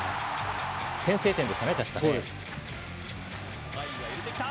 先制点でしたね、確か。